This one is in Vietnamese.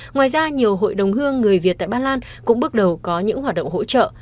ngoài ra nhiều hội đồng hương người việt tại ba lan cũng bước đầu có những hoạt động hỗ trợ